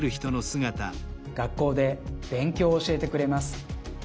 学校で勉強を教えてくれます。